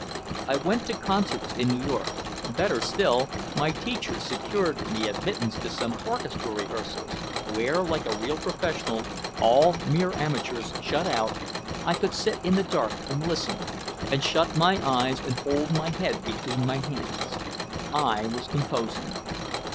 I went to concerts in New York. Better still, my teacher secured me admittance to some orchestra rehearsals, where like a real professional, all mere amateurs shut out, I could sit in the dark and listen, and shut my eyes and hold my head between my hands. I was composing!